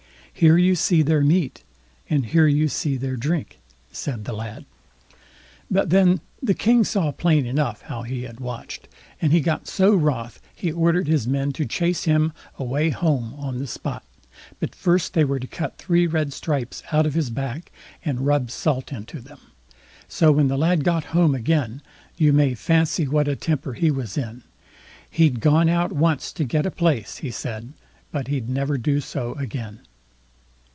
"Here you see their meat, and here you see their drink", said the lad. But then the King saw plain enough how he had watched, and he got so wroth, he ordered his men to chase him away home on the spot; but first they were to cut three red stripes out of his back, and rub salt into them. So when the lad got home again, you may fancy what a temper he was in. He'd gone out once to get a place, he said, but he'd never do so again.